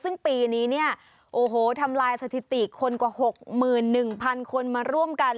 ซึ่งปีนี้เนี่ยโอ้โหทำลายสถิติคนกว่า๖๑๐๐๐คนมาร่วมกัน